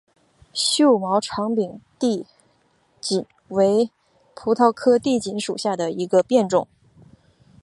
锈毛长柄地锦为葡萄科地锦属下的一个变种。